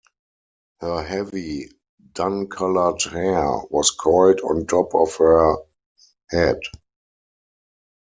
Her heavy, dun-coloured hair was coiled on top of her head.